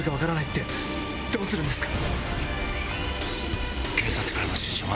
どうするんですか？